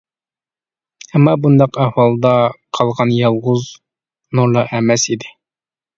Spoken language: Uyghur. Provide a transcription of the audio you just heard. ئەمما بۇنداق ئەھۋالدا قالغان يالغۇز نۇرلا ئەمەس ئىدى.